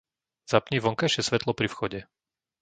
Zapni vonkajšie svetlo pri vchode.